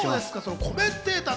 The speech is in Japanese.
コメンテーター。